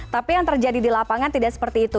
tapi yang terjadi di lapangan tidak seperti itu